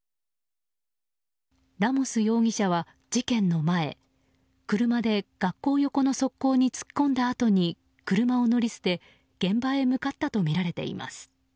ラモス容疑者は事件の前車で学校横の側溝に突っ込んだあとに車を乗り捨て、現場へ向かったとみられています。